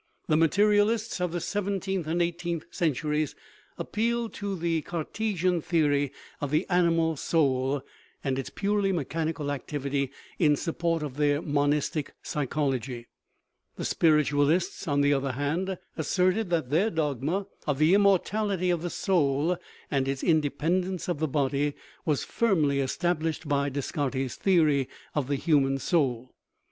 The materialists of the seventeenth and eighteenth centuries appealed to the Cartesian theory of the animal soul and its purely mechanical activity in support of their mon istic psychology. The spiritualists, on the other hand, asserted that their dogma of the immortality of the soul and its independence of the body was firmly established by Descartes' theory of the human soul.